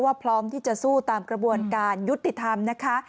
พร้อมที่จะสู้ตามกระบวนการยุติธรรมนะคะ